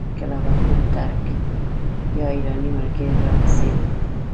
کله به کوم ترک یا ایراني ملګری را پسې و.